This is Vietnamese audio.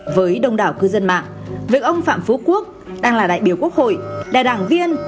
với đông đảo cư dân mạng việc ông phạm phú quốc đang là đại biểu quốc hội là đảng viên